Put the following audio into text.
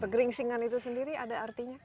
geringsingan itu sendiri ada artinya